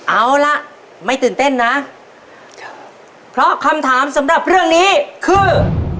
เอาล่ะไม่ตื่นเต้นนะเพราะคำถามสำหรับเรื่องนี้คือ